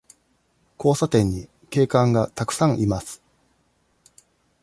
交差点に警官がたくさんいます。